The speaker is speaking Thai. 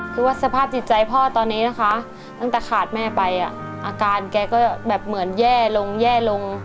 คือว่าสภาพจิตใจพ่อตอนนี้นะคะตั้งแต่ขาดแม่ไปอาการแกก็แบบเหมือนแย่ลงแย่ลง